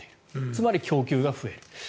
つまり供給が増える。